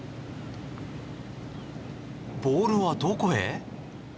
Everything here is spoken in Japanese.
ボールはどこへ。